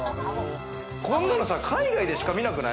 こんなのさ、海外でしか見なくない？